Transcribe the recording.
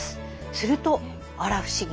するとあら不思議。